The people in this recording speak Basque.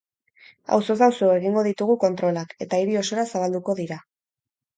Auzoz auzo egingo ditugu kontrolak, eta hiri osora zabalduko dira.